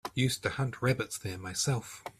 Used to hunt rabbits there myself.